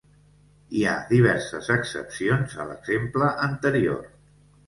Hi ha diverses excepcions a l'exemple anterior.